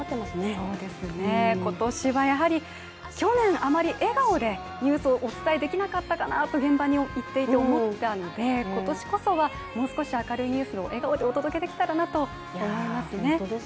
そうですね、今年はやはり、去年、あまり笑顔でニュースをお伝えできなかったかなと現場に行っていて思ったので今年こそはもう少し明るいニュースを笑顔でお届けできたらなと思いますね。